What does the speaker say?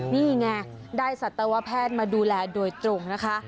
นี่ไงได้สัตวแพทย์มาดูแลโดยตรงนะคะ